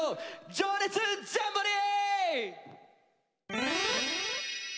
「情熱ジャンボリー」！